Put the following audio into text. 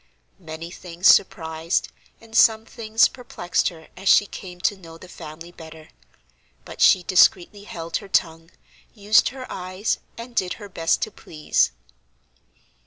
Many things surprised, and some things perplexed her, as she came to know the family better. But she discreetly held her tongue, used her eyes, and did her best to please.